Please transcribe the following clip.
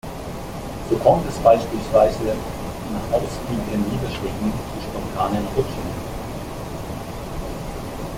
So kommt es beispielsweise nach ausgiebigen Niederschlägen zu spontanen Rutschungen.